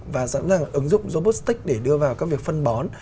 và sẵn sàng ứng dụng robotic để đưa vào các việc phân bón